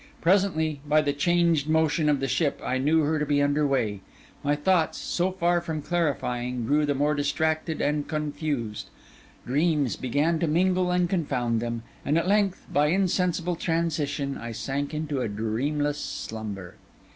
Presently, by the changed motion of the ship, I knew her to be under way; my thoughts, so far from clarifying, grew the more distracted and confused; dreams began to mingle and confound them; and at length, by insensible transition, I sank into a dreamless slumber.